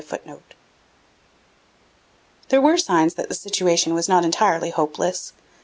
] There were signs that the situation was not entirely hopeless.